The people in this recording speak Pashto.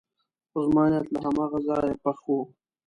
خو زما نیت له هماغه ځایه پخ و.